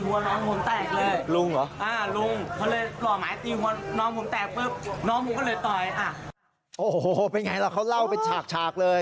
โอ้โหเป็นไงล่ะเขาเล่าเป็นฉากเลย